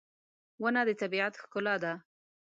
• ونه د طبیعت ښکلا ده.